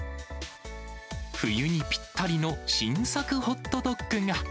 冬にぴったりの新作ホットドッグが。